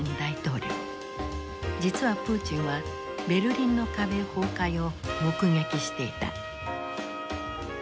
実はプーチンはベルリンの壁崩壊を目撃していた。